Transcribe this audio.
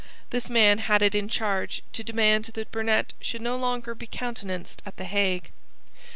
This man had it in charge to demand that Burnet should no longer be countenanced at the Hague.